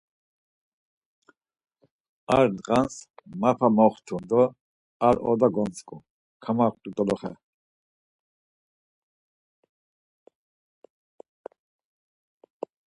Ar ndğas mapa moxtu do ar oda gontzǩu, kamaxtu doloxe.